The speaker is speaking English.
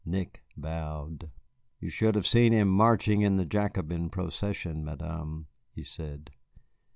Nick bowed. "You should have seen him marching in a Jacobin procession, Madame," he said.